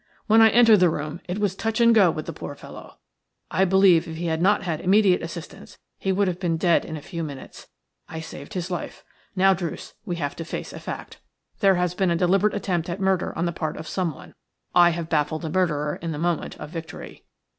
When I entered the room it was touch and go with the poor fellow. I believe if he had not had immediate assistance he would have been dead in a few minutes. I saved his life. Now, Druce, we have to face a fact. There has been a deliberate attempt at murder on the part of someone. I have baffled the murderer in the moment of victory."